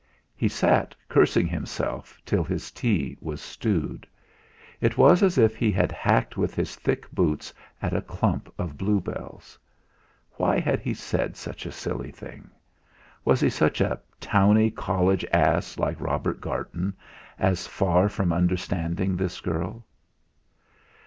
He sat, cursing himself, till his tea was stewed. It was as if he had hacked with his thick boots at a clump of bluebells. Why had he said such a silly thing? Was he just a towny college ass like Robert Garton, as far from understanding this girl?